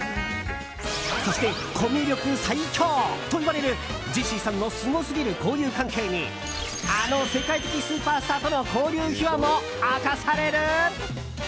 そして、コミュ力最強といわれるジェシーさんのすごすぎる交友関係にあの世界的スーパースターとの交流秘話も明かされる。